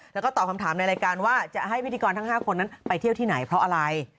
แล้วก็ตอบคำถามในรายการว่าจะให้พิธีกรทั้ง๕คนนั้นไปเที่ยวที่ไหนเพราะอะไร